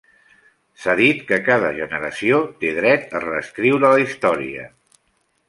S'ha dit que cada generació té dret a reescriure la història.